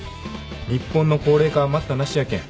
日本の高齢化は待ったなしやけん